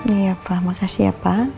iya pak makasih ya pak